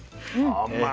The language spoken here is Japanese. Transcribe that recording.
甘い。